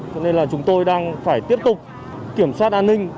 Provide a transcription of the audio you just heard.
cho nên là chúng tôi đang phải tiếp tục kiểm soát an ninh